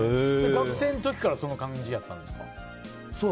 学生の時からその感じやったんですか？